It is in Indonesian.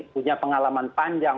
punya pengalaman panjang